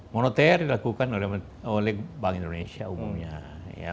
moneter dilakukan oleh bank indonesia umumnya